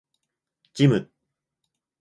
ジム